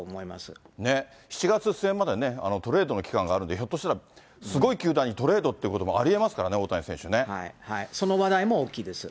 ７月末までね、トレードの期間があるんで、ひょっとしたら、すごい球団にトレードってこともありえますからね、その話題も大きいです。